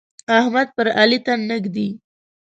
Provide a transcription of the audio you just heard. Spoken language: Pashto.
احمد پر علي تن نه ږدي.